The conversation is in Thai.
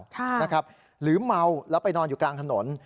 ถ้าหรือเมาแล้วไปนอนอยู่กลางถนน